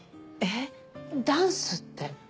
えっダンスって？